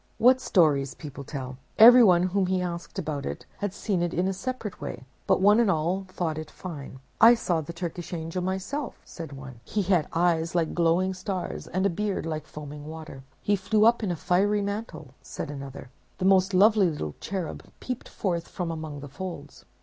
What stories people tell! Everyone whom he asked about it had seen it in a separate way; but one and all thought it fine. "I saw the Turkish angel himself," said one. "He had eyes like glowing stars, and a beard like foaming water." "He flew up in a fiery mantle," said another; "the most lovely little cherub peeped forth from among the folds."